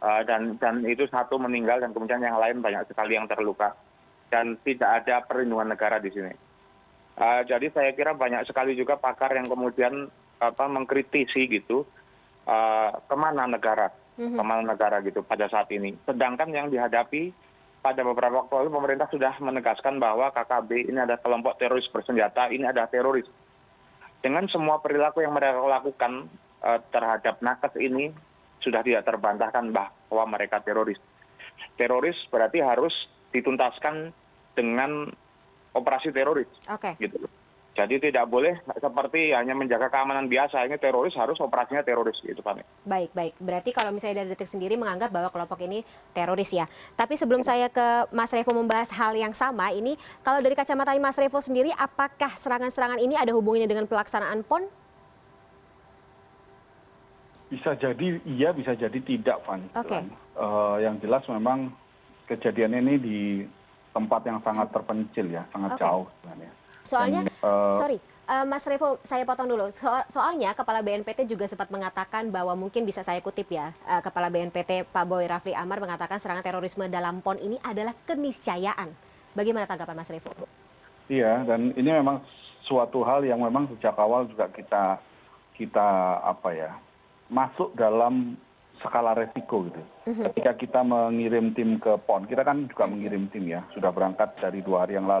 dan ketika terjadi penyerangan terhadap mereka maka penyerangan penyerangan itu wajib dikutuk dan harus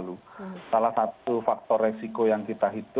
dicari